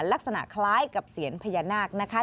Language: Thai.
ลักษณะคล้ายกับเสียญพญานาคนะคะ